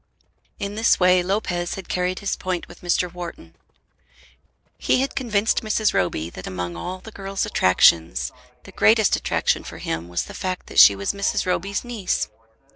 In this way Lopez had carried his point with Mr. Wharton. He had convinced Mrs. Roby that among all the girl's attractions the greatest attraction for him was the fact that she was Mrs. Roby's niece.